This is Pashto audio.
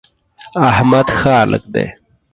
احمد ښه هلک دی.